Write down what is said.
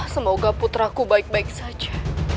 semoga putraku baik baik saja